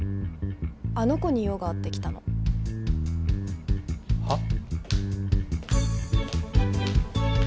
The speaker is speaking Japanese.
あの子に用があって来たのはっ？